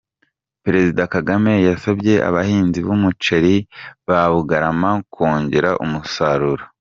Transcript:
Perezida Kagame yasabye abahinzi b’umuceri ba Bugarama kongera umusaruro